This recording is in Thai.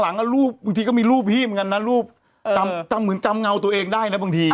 หลังรูปบางทีก็มีรูปพี่เหมือนกันนะรูปจำจำเหมือนจำเงาตัวเองได้นะบางที